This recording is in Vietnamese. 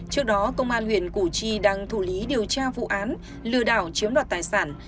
trước đó công an huyện củ chi đang thủ lý điều tra vụ án lừa đảo chiếm đoạt tài sản